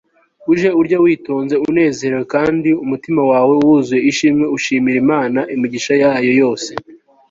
ujye urya witonze, unezerewe, kandi umutima wawe wuzuye ishimwe ushimira imana imigisha yayo yose